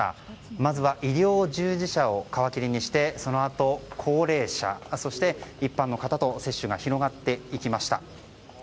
まずは医療従事者を皮切りにしてそのあと高齢者そして一般の方と接種が広がっていきました。